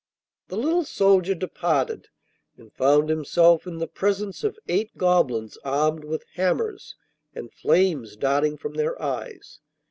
The little soldier departed, and found himself in the presence of eight goblins armed with hammers, and flames darting from their eyes.